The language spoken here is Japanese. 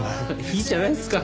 いいじゃないですか。